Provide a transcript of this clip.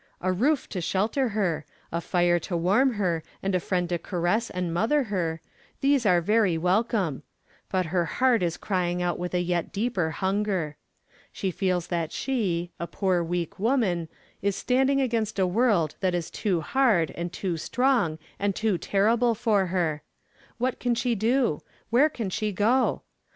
A roof to shelter her, a fire to warm her and a friend to caress and mother her these are very welcome; but her heart is crying out with a yet deeper hunger. She feels that she, a poor weak woman, is standing against a world that is too hard and too strong and too terrible for her. What can she do? Where can she go?